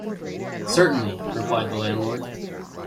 ‘Certainly,’ replied the landlord.